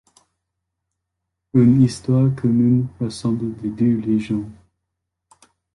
Une histoire commune rassemble les deux régions.